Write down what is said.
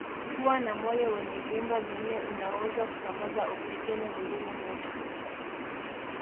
Huwa na moyo wenye vyumba vinne unaoweza kusambaza oksijeni mwilini mote